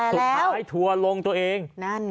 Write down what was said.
สุดท้ายถั่วลงตัวเอง